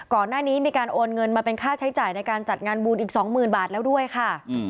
ก่อนหน้านี้มีการโอนเงินมาเป็นค่าใช้จ่ายในการจัดงานบุญอีก๒๐๐๐บาทแล้วด้วยค่ะ